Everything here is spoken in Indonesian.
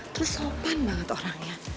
terus sopan banget orangnya